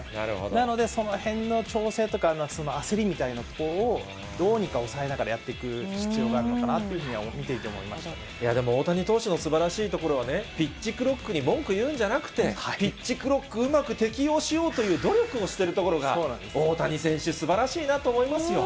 なので、そのへんの調整とか焦りみたいなところを、どうにか抑えながらやっていく必要があるのかなというふうには、でも、大谷投手のすばらしいところは、ピッチクロックに文句言うんじゃなくて、ピッチクロック、うまく適用しようと努力をしているところが、大谷選手、すばらしいなと思いますよ。